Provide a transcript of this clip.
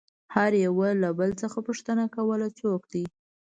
هر يوه له بل څخه پوښتنه کوله څوک دى.